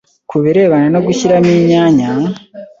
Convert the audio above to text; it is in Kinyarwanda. ku birebana no gushyiramo inyanya,